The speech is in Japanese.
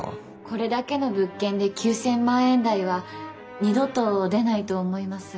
これだけの物件で９，０００万円台は二度と出ないと思います。